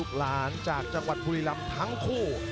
กินอันดีคอมว่าแพทพูน์